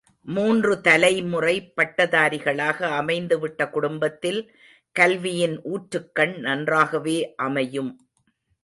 மூன்று தலைமுறை பட்டதாரிகளாக அமைந்துவிட்ட குடும்பத்தில் கல்வியின் ஊற்றுக்கண் நன்றாகவே அமையும்.